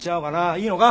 いいのか？